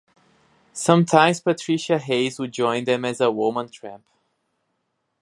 Sometimes Patricia Hayes would join them as a woman tramp.